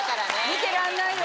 見てらんないよ